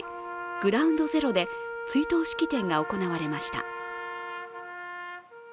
グラウンド・ゼロで追悼式典が行われました。